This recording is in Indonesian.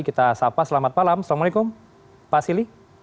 kita sapa selamat malam assalamualaikum pak silih